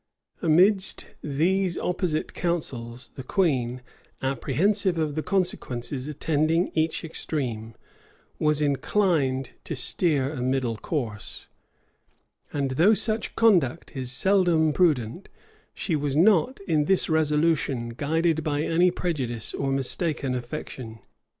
Amidst these opposite counsels, the queen, apprehensive of the consequences attending each extreme, was inclined to steer a middle course; and though such conduct is seldom prudent, she was not, in this resolution, guided by any prejudice or mistaken affection.